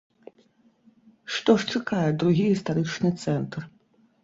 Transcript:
Што ж чакае другі гістарычны цэнтр?